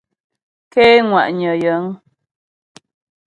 Ké ŋwà'nyə̀ yəŋ.